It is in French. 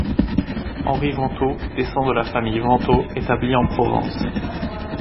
Henri Vento descend de la famille Vento, établie en Provence.